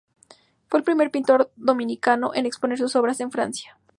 Fue el primer pintor dominicano en exponer sus obras en Francia.